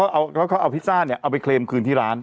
แล้วก็เอาพิซซ่าเกรงไปคืนที่ร้าน